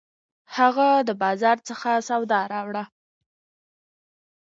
هغه د بازار څخه سودا راوړه